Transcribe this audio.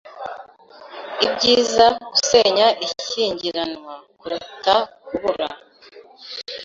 Ibyiza gusenya ishyingiranwa kuruta kubura